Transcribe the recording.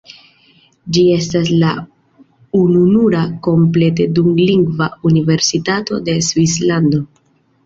Ĝi estas la ununura komplete dulingva universitato de Svislando.